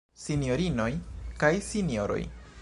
Sinjorinoj kaj Sinjoroj!